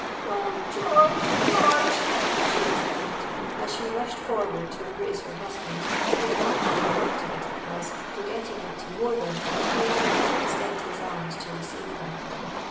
'Oh! George, George!' she exclaimed, as she rushed forward to embrace her husband, whose manacles rattled, as, forgetting that he wore them, he endeavoured to extend his arms to receive her.